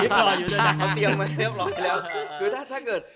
พอเตรียมมาเรียบร้อยแล้ว